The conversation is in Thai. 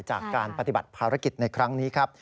จากการปฏิบัติภารกิจในครั้งนี้ครับ